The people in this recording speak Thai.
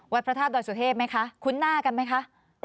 วัดพระธาตุโดยสุเทพฯไหมคะ